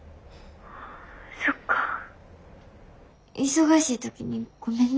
そっか忙しい時にごめんな。